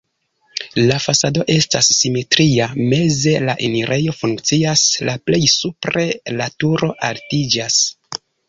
La fasado estas simetria, meze la enirejo funkcias, la plej supre la turo altiĝas.